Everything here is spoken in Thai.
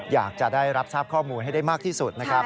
อยากจะได้รับทราบข้อมูลให้ได้มากที่สุดนะครับ